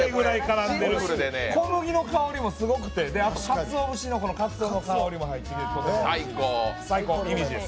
小麦の香りもすごくて、あと、かつおぶしのかつおの香りも入っていて、最高です。